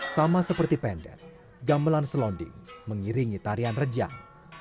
sama seperti pendek gamelan selonding mengiringi tarian rejang